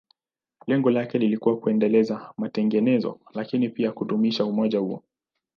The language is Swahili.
Lengo lake lilikuwa kuendeleza matengenezo, lakini pia kudumisha umoja huo.